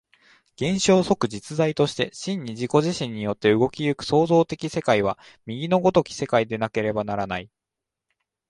現象即実在として真に自己自身によって動き行く創造的世界は、右の如き世界でなければならない。